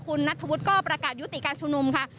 คุณนัทธวุฒิก็ประกาศยุติการชุมนุมค่ะ